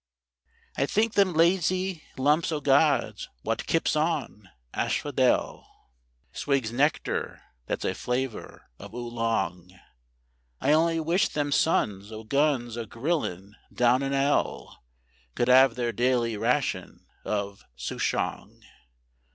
I think them lazy lumps o' gods wot kips on asphodel Swigs nectar that's a flavour of Oolong; I only wish them sons o' guns a grillin' down in 'ell Could 'ave their daily ration of Suchong.